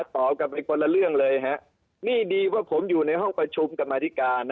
ตอบกันไปคนละเรื่องเลยฮะนี่ดีว่าผมอยู่ในห้องประชุมกรรมธิการ